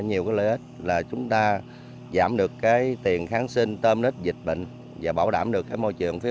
nhiều lợi ích chúng ta giảm được tiền kháng sinh tôm nít dịch bệnh và bảo đảm được môi trường phía